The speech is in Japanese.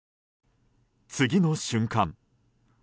次の瞬間